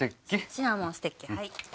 シナモンステッキはい。